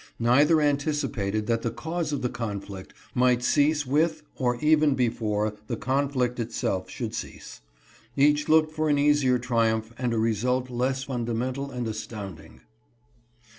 Neither anticipated that the cause of the conflict might cease with or even before the conflict itself should cease. Each looked for an easier triumph and a result less fundamental and astound ing."